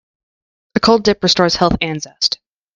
A cold dip restores health and zest.